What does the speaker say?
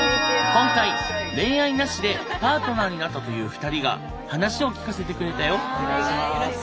今回恋愛なしでパートナーになったという２人が話を聞かせてくれたよ。